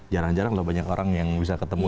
jarang jarang loh banyak orang yang bisa ketemu